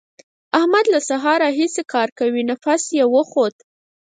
احمد له سهار راهسې کار کوي؛ نفس يې وخوت.